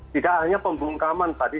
tidak hanya pembungkaman tadi